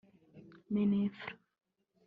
Mininfra